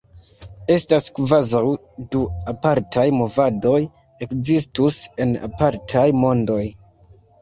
Estas kvazaŭ du apartaj movadoj ekzistus en apartaj mondoj.